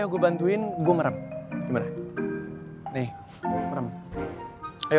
mau gue bantu nggak gerak gerak tapi yaudah gue bantuin gue meram nih ayo